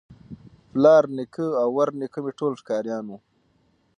پلار نیکه او ورنیکه مي ټول ښکاریان وه